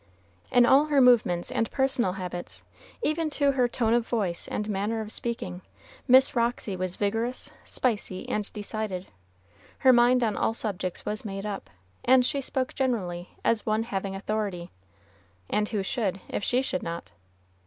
In all her movements and personal habits, even to her tone of voice and manner of speaking, Miss Roxy was vigorous, spicy, and decided. Her mind on all subjects was made up, and she spoke generally as one having authority; and who should, if she should not?